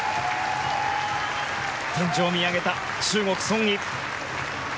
天井を見上げた中国、ソン・イ。